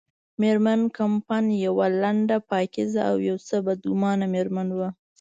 مېرمن کمپن یوه لنډه، پاکیزه او یو څه بدګمانه مېرمن وه.